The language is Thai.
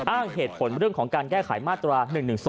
อ้างเหตุผลเรื่องของการแก้ไขมาตรา๑๑๒